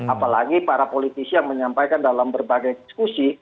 apalagi para politisi yang menyampaikan dalam berbagai diskusi